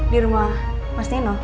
di rumah mas nino